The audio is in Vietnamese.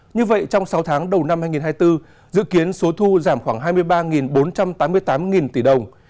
như vậy trong sáu tháng đầu năm hai nghìn hai mươi bốn dự kiến số thu giảm khoảng hai mươi ba bốn trăm tám mươi tám tỷ đồng